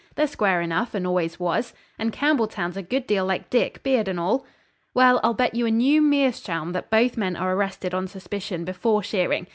They're square enough, and always was. And Campbelltown's a good deal like Dick, beard and all.' 'Well, I'll bet you a new meerschaum that both men are arrested on suspicion before shearing.